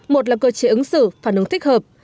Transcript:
một là cơ chế ứng xử phản ứng thích hợp